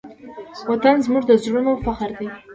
وطن زموږ د زړونو فخر دی.